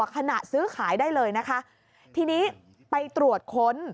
ขณะซื้อขายได้เลยนะคะทีนี้ไปตรวจค้น